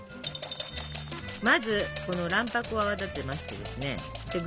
まずこの卵白を泡立てましてですねで